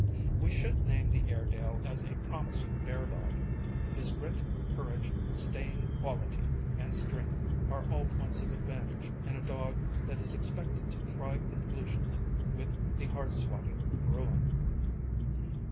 We should name the Airedale as a promising bear dog. His grit, courage, staying Quality and strength are all points of advantage in a dog that is expected to try conclusions with the hard swatting bruin.